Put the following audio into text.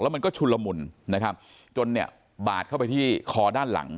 มันก็ชุนละมุนนะครับจนเนี่ยบาดเข้าไปที่คอด้านหลัง